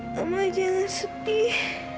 mama jangan sedih